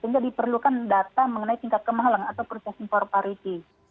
sehingga diperlukan data mengenai tingkat kemalang atau proses informasi